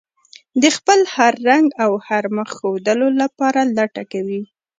د خپل هر رنګ او هر مخ ښودلو لپاره لټه کوي.